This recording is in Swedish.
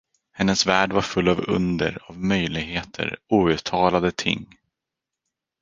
Hennes värld var full av under, av möjligheter, outtalade ting.